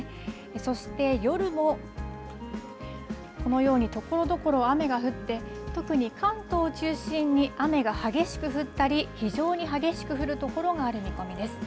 そして、夜も、このようにところどころ雨が降って、特に関東を中心に雨が激しく降ったり、非常に激しく降る所がある見込みです。